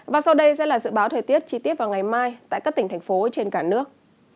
và sau đây sẽ là dự báo thời tiết chi tiết vào ngày mai tại các tỉnh thành phố trên cả nước